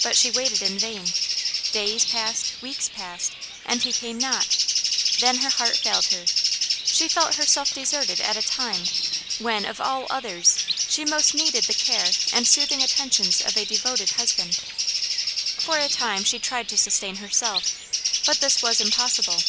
But she waited in vain. Days passed, weeks passed, and he came not; then her heart failed her. She felt herself deserted at a time, when, of all others, she most needed the care and soothing attentions of a devoted husband. For a time she tried to sustain HERSELF, but this was impossible.